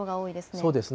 そうですね。